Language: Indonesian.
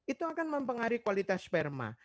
itu akan mempengaruhi kualitas sperma